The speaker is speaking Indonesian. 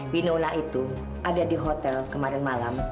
binola itu ada di hotel kemarin malam